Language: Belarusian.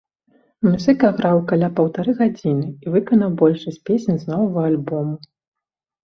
Музыка граў каля паўтары гадзіны і выканаў большасць песень з новага альбому.